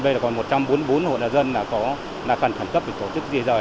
bây giờ còn một trăm bốn mươi bốn hộ nhà dân là phần khẩn cấp để tổ chức đi rời